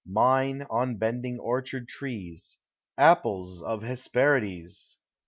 Mine, on bending orchard trees, Apples of Hesperides!